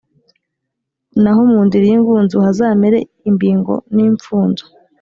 naho mu ndiri y’ingunzu, hazamere imbingo n’imfunzo.